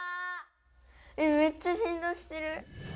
めっちゃ振動してる。